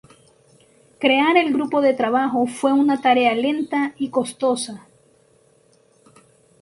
Crear el grupo de trabajo fue una tarea lenta y costosa.